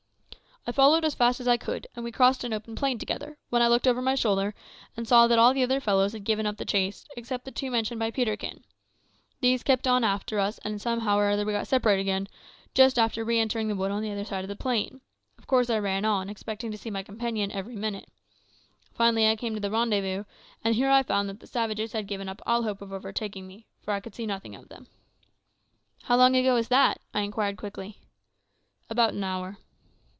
"I followed as fast as I could, and we crossed an open plain together, when I looked over my shoulder, and saw that all the other fellows had given up the chase except the two mentioned by Peterkin. These kept on after us, and somehow or other we got separated again, just after re entering the wood on the other side of the plain. Of course I ran on, expecting to see my companion every minute. Finally I came to the rendezvous, and here I found that the savages had given up all hope of overtaking me, for I could see nothing of them." "How long ago is that?" I inquired quickly. "About an hour."